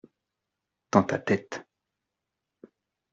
Dans ta tête.